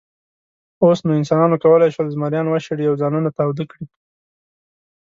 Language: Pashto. اوس نو انسانانو کولی شول، زمریان وشړي او ځانونه تاوده کړي.